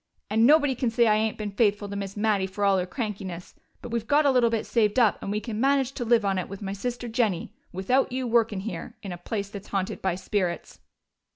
"And nobody can say I ain't been faithful to Miss Mattie, fer all her crankiness. But we've got a little bit saved up, and we can manage to live on it, with my sister Jennie, without you workin' here. In a place that's haunted by spirits!"